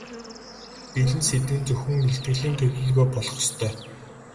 Бэлэн сэдэв нь зөвхөн илтгэлийн төлөвлөгөө болох ёстой.